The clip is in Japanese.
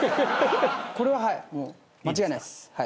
これははいもう間違いないです